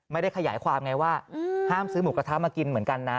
ไม่ได้ขยายความไงว่าห้ามซื้อหมูกระทะมากินเหมือนกันนะ